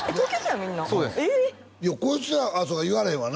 みんないやこいつらあっそうか言われへんわな